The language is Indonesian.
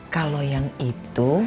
kalau yang itu